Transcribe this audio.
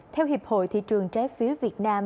theo hiệp hội thị trường trái phiếu việt nam